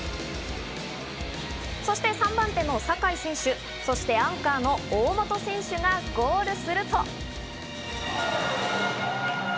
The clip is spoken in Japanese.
そして３番手の酒井選手、そして、アンカーの大本選手がゴールすると。